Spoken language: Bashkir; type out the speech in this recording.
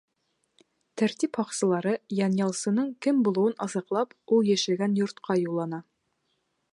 Тәртип һаҡсылары, янъялсының кем булыуын асыҡлап, ул йәшәгән йортҡа юллана.